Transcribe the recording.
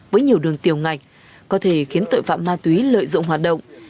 với nhiều đường tiều ngạch có thể khiến tội phạm ma tuy lợi dụng hoạt động